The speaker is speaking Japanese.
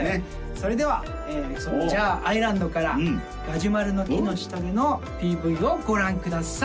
それでは「ジャアイランド」から「ガジュマルの樹の下で」のＰＶをご覧ください